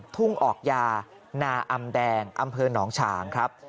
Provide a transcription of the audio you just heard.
ทุ่งออกยานาอำแดงอำเภอหนองฉางครับ